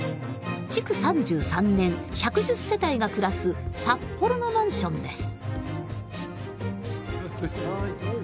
１１０世帯が暮らす札幌のマンションです。